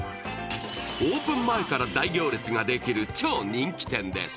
オープン前から大行列ができる超人気店です。